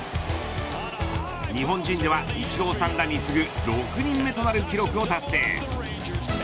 日本人ではイチローさんらに次ぐ６人目となる記録を達成。